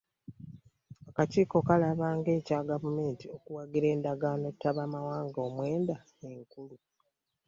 Akakiiko kalaba ng’ekya Gavumenti okuwagira endagaano ttabamawanga omwenda enkulu.